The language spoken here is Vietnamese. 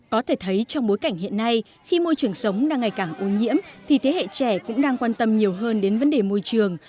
có thể thấy trong bối cảnh hiện nay khi môi trường sống đang ngày càng ô nhiễm thì thế hệ trẻ cũng đang quan tâm nhiều hơn đến vấn đề môi trường